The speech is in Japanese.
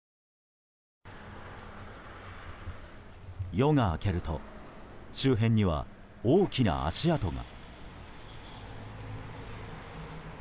夜が明けると周辺には大きな足跡が。